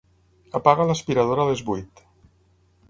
Apaga l'aspiradora a les vuit.